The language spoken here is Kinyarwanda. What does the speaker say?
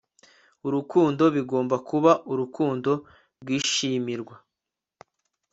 urukundo bigomba kuba urukundo rwishimirwa